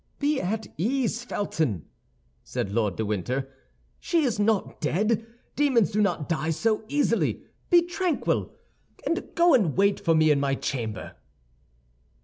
"Be at ease, Felton," said Lord de Winter. "She is not dead; demons do not die so easily. Be tranquil, and go wait for me in my chamber."